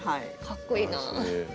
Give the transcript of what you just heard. かっこいいなぁ。